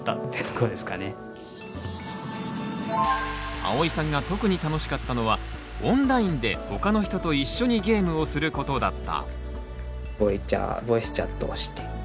あおいさんが特に楽しかったのはオンラインで他の人と一緒にゲームをすることだった。